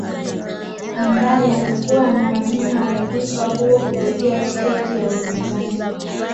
ambaye alikuwa anawania wadhifa huo kupitia tiketi ya upinzani